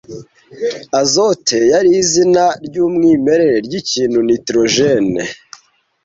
Azote yari izina ryumwimerere ryikintu Nitrogen